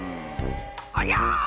ありゃー！